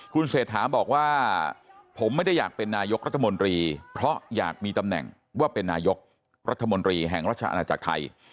คุณเศรษฐาบอกว่าผมไม่ได้อยากเป็นนายกรัฐมนตรีเพราะอยากมีตำแหน่งว่าเป็นนายกรัฐมนตรีแห่งราชอาณาจักรไทย